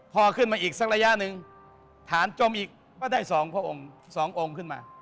พอขึ้นมาอีกสักระยะหนึ่งฐานจมอีกก็ได้๒พระองค์๒องค์ขึ้นมา